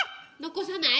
・残さない？